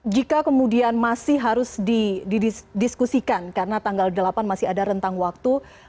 jika kemudian masih harus didiskusikan karena tanggal delapan masih ada rentang waktu